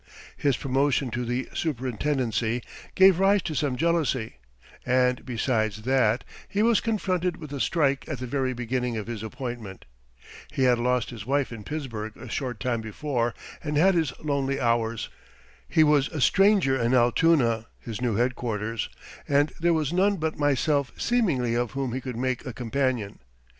His promotion to the superintendency gave rise to some jealousy; and besides that, he was confronted with a strike at the very beginning of his appointment. He had lost his wife in Pittsburgh a short time before and had his lonely hours. He was a stranger in Altoona, his new headquarters, and there was none but myself seemingly of whom he could make a companion.